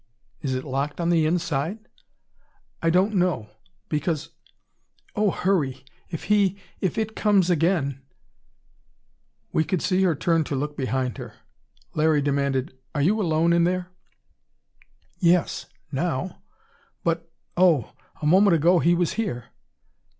Is it locked on the inside?" "I don't know. Because oh, hurry! If he if it comes again !"We could see her turn to look behind her. Larry demanded, "Are you alone in there?" "Yes now. But, oh! a moment ago he was here!"